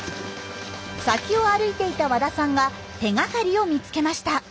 先を歩いていた和田さんが手がかりを見つけました。